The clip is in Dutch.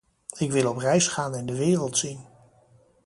Ik wil op reis gaan en de wereld zien.